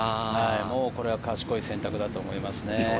これは賢い選択だと思いますね。